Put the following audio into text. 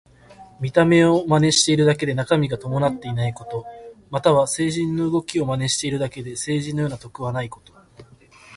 見た目を真似しているだけで中身が伴っていないこと。または、聖人の動きを真似しているだけで聖人のような徳はないこと。